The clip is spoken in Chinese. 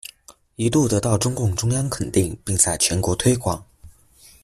一度得到中共中央肯定并在全国推广。